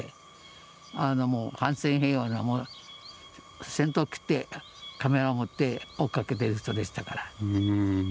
反戦平和の先頭を切ってカメラを持って追っかけてる人でしたから。